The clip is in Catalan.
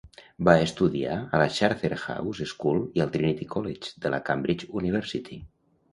Va estudiar a la Charterhouse School i al Trinity College de la Cambridge University.